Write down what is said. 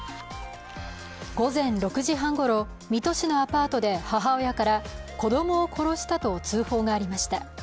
午前６時半ごろ水戸市のアパートで母親から、子供を殺したと通報がありました。